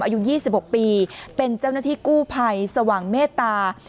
อายุ๒๖ปีเป็นเจ้าหน้าที่กู้ภัยสว่างเมตตา